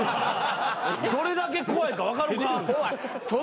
どれだけ怖いか分かるか？